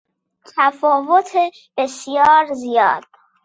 تفاوت بسیار زیاد